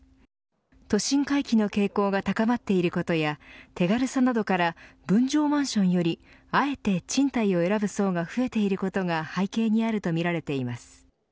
都心回帰の傾向が高まっていることや手軽さなどから分譲マンションよりあえて賃貸を選ぶ層が増えていることが背景にあるとみられています。